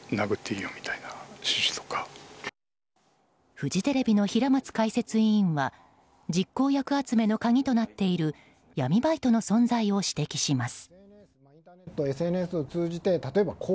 フジテレビの平松解説委員は実行役集めの鍵となっている闇バイトの存在を指摘します。